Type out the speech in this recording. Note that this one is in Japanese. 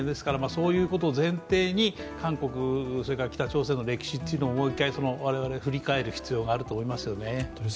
そういうことを前提に韓国、それから北朝鮮の歴史というのをもう一回、我々、振り返る必要がありますね。